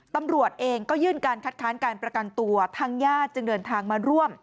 ตำรวจเองก็ยื่นการคัดค้านการประกันตัวทางญาติจึงเดินทางมาร่วม